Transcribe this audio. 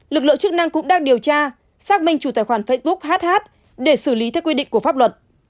lực lượng chức năng cũng đang điều tra xác minh chủ tài khoản facebook hh để xử lý theo quy định của pháp luật